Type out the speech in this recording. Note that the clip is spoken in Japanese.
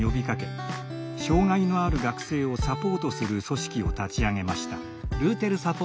障害のある学生をサポートする組織を立ち上げました。